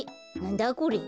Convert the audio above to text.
なんだこれ？